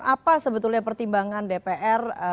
apa sebetulnya pertimbangan dpr